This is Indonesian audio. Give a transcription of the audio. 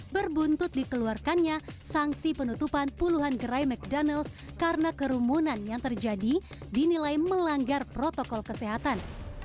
berbuntut dikeluarkannya sanksi penutupan puluhan gerai ⁇ cdonalds karena kerumunan yang terjadi dinilai melanggar protokol kesehatan